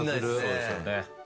そうですよね。